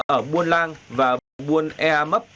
ở buôn lang và buôn ia mấp